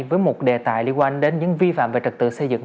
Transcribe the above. với một đề tài liên quan đến những vi phạm về trật tự xây dựng